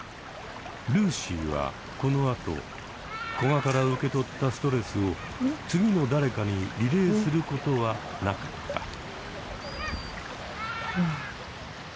ルーシーは、このあと古賀から受け取ったストレスを次の誰かにリレーすることはなかった。